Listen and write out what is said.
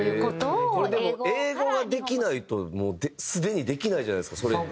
これでも英語ができないとすでにできないじゃないですかそれって。